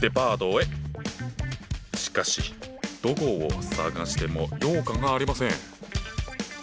しかしどこを探しても羊羹がありません。